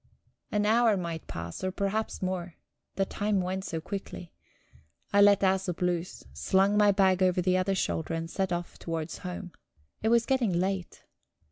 An hour might pass, or perhaps more the time went so quickly. I let Æsop loose, slung my bag over the other shoulder, and set off towards home. It was getting late.